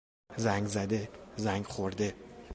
زنگ زده، زنگ خورده